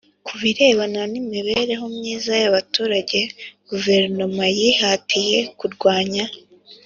Ku birebana n imibereho myiza y abaturage Guverinoma yihatiye kurwanya